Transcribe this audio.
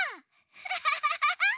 ハハハハハ！